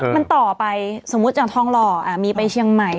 มันต่อไปสมมุติอย่างทองหล่อมีไปเชียงใหม่